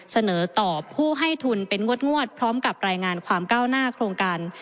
เสนอต่อผู้ให้ทุนเป็นงวดพร้อมกับรายงานความก้าวหน้าโครงการ